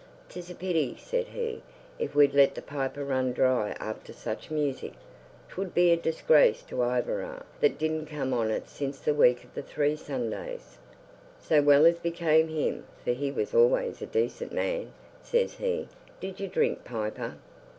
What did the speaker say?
''Tis a pity,' said he, 'if we'd let the piper run dry after such music; 'twould be a disgrace to Iveragh, that didn't come on it since the week of the three Sundays.' So, as well became him, for he was always a decent man, says he, 'Did you drink, piper?